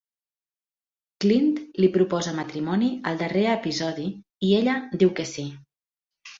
Clint li proposa matrimoni al darrer episodi i ella diu que "sí".